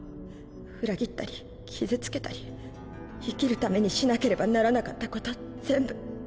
裏切ったり傷つけたり生きるためにしなければならなかったこと全部。